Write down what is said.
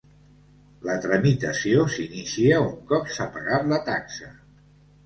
La tramitació s'inicia un cop s'ha pagat la taxa.